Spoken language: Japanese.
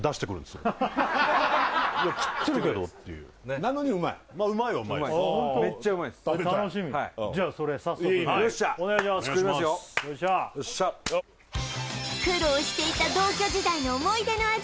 よっしゃ苦労していた同居時代の思い出の味